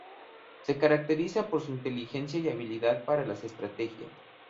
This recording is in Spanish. Se caracteriza por su inteligencia y habilidad para las estrategias.